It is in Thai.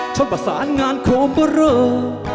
ช่วงประสานงานโครมเบอร์เรอร์